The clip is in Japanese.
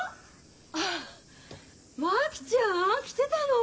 あっ真紀ちゃん来てたの？